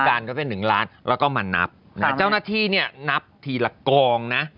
การก็เป็นหนึ่งล้านแล้วก็มานับแต่เจ้าหน้าที่เนี่ยนับทีละกองนะ